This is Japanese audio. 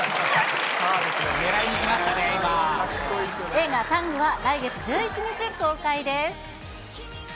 映画、タングは、来月１１日公開です。